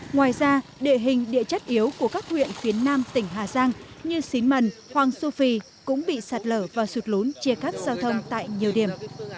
ngoài ra địa hình địa chất yếu của các huyện phía nam tỉnh hà giang như xín mần hoàng su phi cũng bị sạt lở và sụt lún chia cắt giao thông tại nhiều điểm